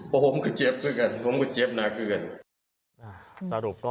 ผมก็เจ็บเหมือนกันผมก็เจ็บหนักเหมือนกัน